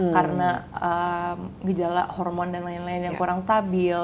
karena gejala hormon dan lain lain yang kurang stabil